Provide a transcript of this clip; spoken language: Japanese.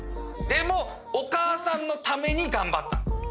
でもお母さんのために頑張った。